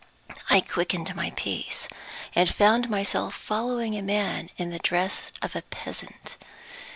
I quickened my pace, and found myself following a man in the dress of a peasant.